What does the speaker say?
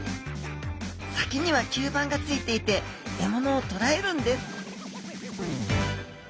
先には吸盤がついていて獲物をとらえるんです